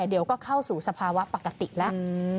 เดี๋ยวก็เข้าสู่สภาวะปกติแล้ว